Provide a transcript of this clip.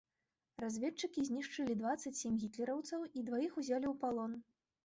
Разведчыкі знішчылі дваццаць сем гітлераўцаў і дваіх узялі ў палон.